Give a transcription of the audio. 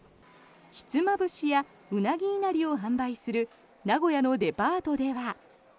ひつまぶしやウナギいなりを販売する名古屋のデパートでは。